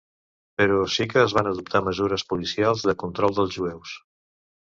Però sí que es van adoptar mesures policials de control dels jueus.